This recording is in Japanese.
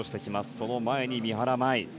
その前に、三原舞依。